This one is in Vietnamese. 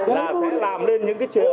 là sẽ làm lên những cái chuyện